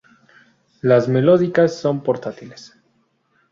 Las melódicas son portátiles.